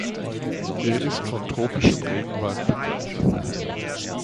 Er ist von tropischem Regenwald bedeckt.